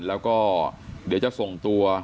แล้วก็เดี๋ยวจะส่งตัว